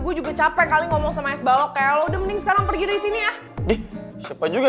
gue juga capek kali ngomong sama s balok ya udah mending sekarang pergi disini ya dih siapa juga